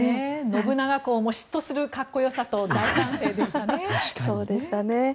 信長公も嫉妬するかっこよさと大歓声でしたね。